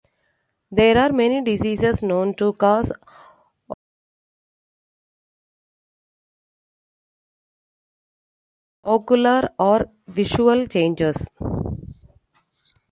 There are many diseases known to cause ocular or visual changes.